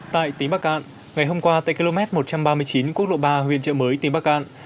tại tỉnh bạc cạn ngày hôm qua tại km một trăm ba mươi chín quốc lộ ba huyện chợ mới tỉnh bạc cạn